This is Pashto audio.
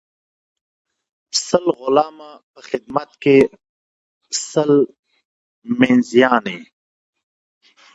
سل غلامه په خدمت کي سل مینځیاني.